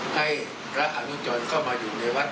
ให้พระอนุจรเข้ามาอยู่ในวัด